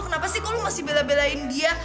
kenapa sih kok lo masih bela belain dia